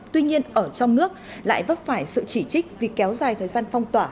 tuy nhiên ở trong nước lại vấp phải sự chỉ trích vì kéo dài thời gian phong tỏa